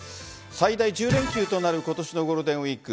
最大１０連休となることしのゴールデンウィーク。